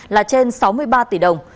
là trên sáu mươi ba tỷ đồng